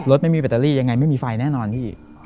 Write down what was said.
ไม่มีแบตเตอรี่ยังไงไม่มีไฟแน่นอนพี่